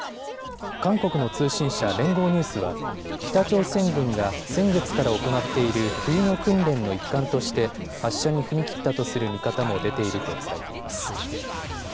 韓国の通信社、連合ニュースは北朝鮮軍が先月から行っている冬の訓練の一環として発射に踏み切ったとする見方も出ていると伝えています。